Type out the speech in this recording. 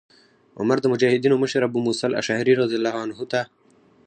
عمر د مجاهدینو مشر ابو موسی الأشعري رضي الله عنه ته